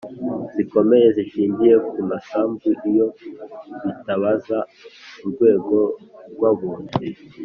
zikomeye zishingiye ku masambu iyo bitabaza urwego rw’abunzi